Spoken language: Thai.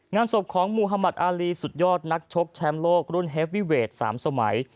งานศพของมุธมัติอารีสุดยอดนักชกแชมป์โลกรุ่นเฮฟวิเวท๓สมัย